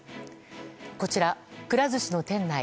こちら、くら寿司の店内。